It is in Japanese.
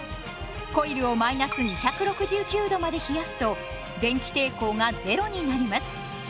コイルを−２６９℃まで冷やすと電気抵抗がゼロになります。